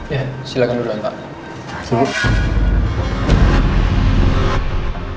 ya silahkan duluan pak